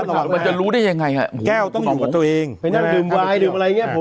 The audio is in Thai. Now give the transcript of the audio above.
ตัวเราเองเนี่ย